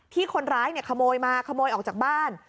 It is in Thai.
ที่คนร้ายขโมยมาขโมยออกจากบ้าน